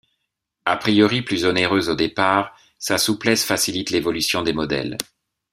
A priori plus onéreuse au départ, sa souplesse facilite l'évolution des modèles.